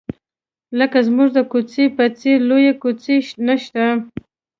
لکه زموږ د کوڅې په څېر لویې کوڅې نشته.